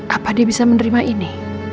apa dia bisa menerima ini